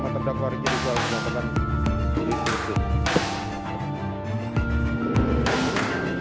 menyatakan bahwa pidana tersebut akan dikurangkan dengan lamanya terdakwa berada dalam tahanan